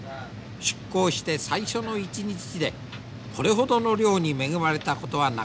出港して最初の１日でこれほどの漁に恵まれたことはなかった。